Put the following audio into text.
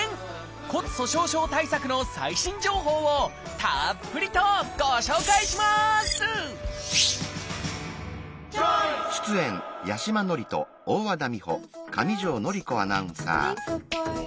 骨粗しょう症対策の最新情報をたっぷりとご紹介します！